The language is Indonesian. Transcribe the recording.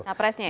nah presnya ya